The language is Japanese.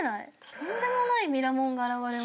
とんでもないミラモンが現れましたね。